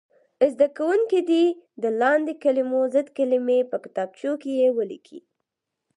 زده کوونکي دې د لاندې کلمو ضد کلمې په کتابچو کې ولیکي.